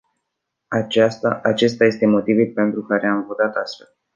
Acesta este motivul pentru care am votat astfel.